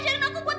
nolong semua orang